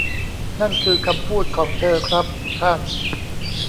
นั่นคือคำพูดของเธอครับท่าน